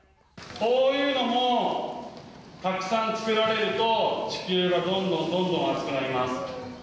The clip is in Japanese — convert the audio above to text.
こういうのもたくさん作られると地球がどんどんどんどん暑くなります。